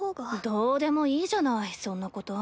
どうでもいいじゃないそんなこと。